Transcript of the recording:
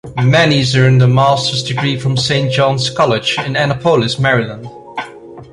Mannes earned a master's degree from Saint John's College in Annapolis, Maryland.